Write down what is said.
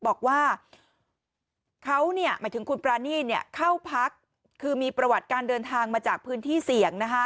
บอกว่าเขาหมายถึงคุณปรานีตเข้าพักคือมีประวัติการเดินทางมาจากพื้นที่เสี่ยง